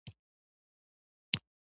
پايڅې يې لندې وې.